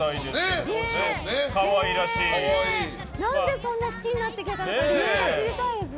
何でそんなに好きになってくれたのか理由が知りたいですね。